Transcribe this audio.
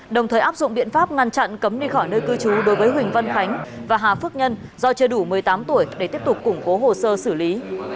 đồng thời áp dụng biện pháp ngăn chặn cấm đi khỏi nơi cư trú đối với huỳnh văn khánh và hà phước nhân do chưa đủ một mươi tám tuổi để tiếp tục củng cố hồ sơ xử lý